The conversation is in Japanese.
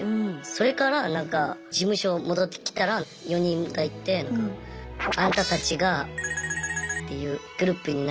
それからなんか事務所戻ってきたら４人がいて「あんたたちがっていうグループになるよ」って言われました。